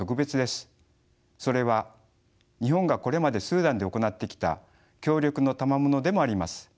それは日本がこれまでスーダンで行ってきた協力のたまものでもあります。